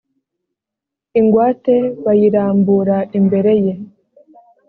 ingwate bayirambura imbere ye